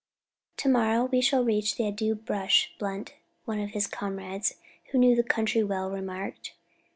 "To morrow we shall reach the Addoo Bush, Blunt," one of his comrades, who knew the country well, remarked.